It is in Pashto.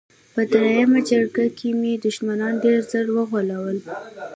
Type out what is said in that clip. په دویمه جګړه کې مې دښمنان ډېر ځله وغولول